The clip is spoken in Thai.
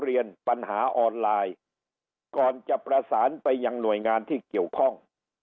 เรียนปัญหาออนไลน์ก่อนจะประสานไปยังหน่วยงานที่เกี่ยวข้อง